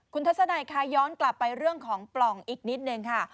คุณทัศนัยค่ะย้อนกลับไปเรื่องของปล่องอีกนิดนึงค่ะ